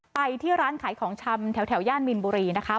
ไปที่ร้านขายของชำแถวย่านมินบุรีนะคะ